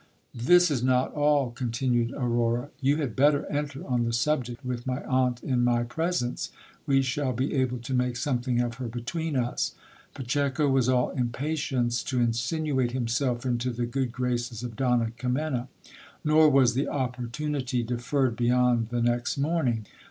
This is not all, continued Aurora. You had better enter on the subject with my aunt in my presence, we shall be able to make something of her between us. Pacheco was all impatience to insinuate himself into the good graces of Donna Kimena ; nor was the opportunity deferred beyond the next morning.